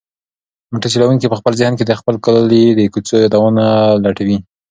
موټر چلونکی په خپل ذهن کې د خپل کلي د کوڅو یادونه لټوي.